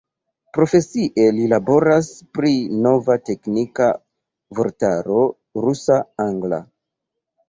Profesie li laboras pri nova teknika vortaro rusa-angla.